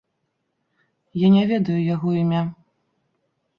Я не ведаю яго імя.